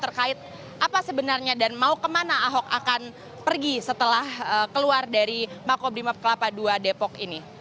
terkait apa sebenarnya dan mau kemana ahok akan pergi setelah keluar dari makobrimob kelapa dua depok ini